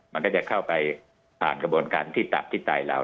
มันก็จะเข้าไปผ่านกระบวนการที่ตับที่ไตเรา